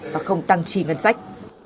và không tăng trì ngân sách